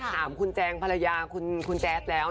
ถามคุณแจงภรรยาคุณแจ๊ดแล้ว